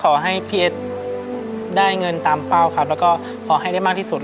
ขอให้พี่เอสได้เงินตามเป้าครับแล้วก็ขอให้ได้มากที่สุด